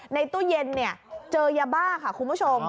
ตู้เย็นเจอยาบ้าค่ะคุณผู้ชม